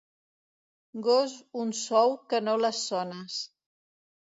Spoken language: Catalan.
Gos un sou que no les sones.